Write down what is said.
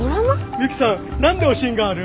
ミユキさん何でおしんがある？